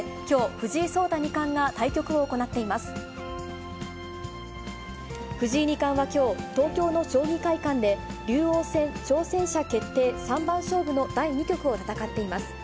藤井二冠はきょう、東京の将棋会館で、竜王戦挑戦者決定三番勝負の第２局を戦っています。